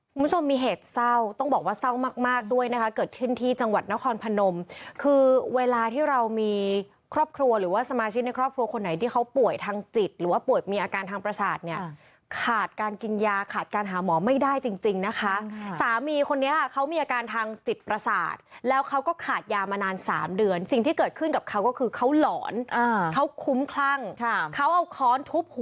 คุณผู้ชมมีเหตุเศร้าต้องบอกว่าเศร้ามากด้วยนะคะเกิดที่ที่จังหวัดนครพนมคือเวลาที่เรามีครอบครัวหรือว่าสมาชิกในครอบครัวคนไหนที่เขาป่วยทางจิตหรือว่าป่วยมีอาการทางประสาทเนี่ยขาดการกินยาขาดการหาหมอไม่ได้จริงนะคะสามีคนนี้เขามีอาการทางจิตประสาทแล้วเขาก็ขาดยามานาน๓เดือนสิ่งที่เกิดขึ้นกับ